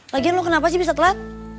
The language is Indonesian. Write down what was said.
lagian lu kenapa sih bisa telat